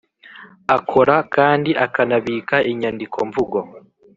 Akora kandi akanabika inyandiko mvugo